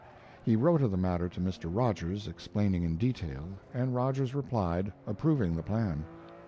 He wrote of the matter to Mr. Rogers, explaining in detail, and Rogers replied, approving the plan.